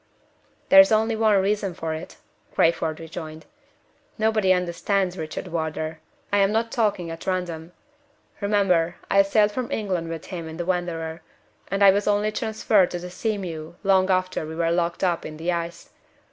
"There is only one reason for it," Crayford rejoined. "Nobody understands Richard Wardour. I am not talking at random. Remember, I sailed from England with him in the Wanderer; and I was only transferred to the Sea mew long after we were locked up in the ice.